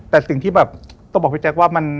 แต่สิ่งที่แบบต้องบอกพี่แจ๊คว่ามัน